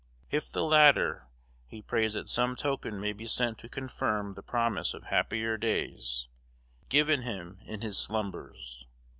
If the latter, he prays that some token may be sent to confirm the promise of happier days, given him in his slumbers.